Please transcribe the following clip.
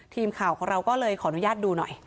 ทีมข่าวของเราก็เลยขออนุญาตดูหน่อย